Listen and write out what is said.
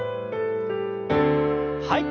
はい。